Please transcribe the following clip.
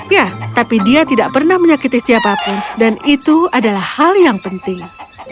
ya tapi dia tidak pernah menyakiti siapapun dan itu adalah hal yang penting